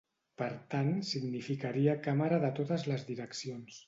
Per tant significaria càmera de totes les direccions.